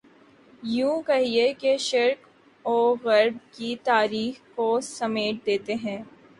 یوں کہیے کہ شرق و غرب کی تاریخ کو سمیٹ دیتے ہیں۔